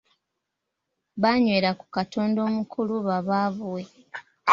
Baanywera ku katonda omukulu ba baabuwe.